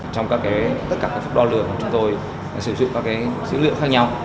trong tất cả các phút đo lượng chúng tôi sử dụng các bộ số liệu khác nhau